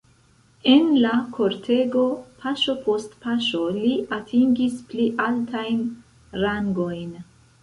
En la kortego paŝo post paŝo li atingis pli altajn rangojn.